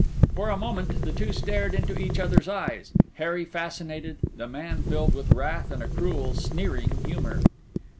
For a moment the two stared into each other's eyes, Harry fascinated, the man filled with wrath and a cruel, sneering humour.